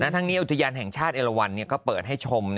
ทั้งนี้อุทยานแห่งชาติเอลวันก็เปิดให้ชม